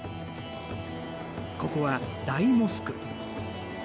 ここは大モスク。